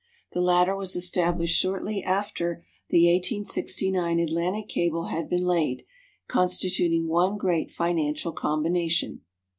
The latter was established shortly after the 1869 Atlantic cable had been laid, constituting one great financial combination.